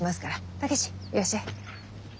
武志いらっしゃい。